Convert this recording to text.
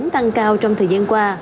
tăng cao trong thời gian qua